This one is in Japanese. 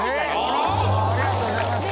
ありがとうございます。